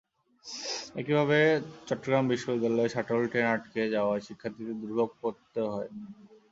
একইভাবে চট্টগ্রাম বিশ্ববিদ্যালয়ের shuttle train আটকে যাওয়ায় শিক্ষার্থীদের দুর্ভোগে পড়তে হয়।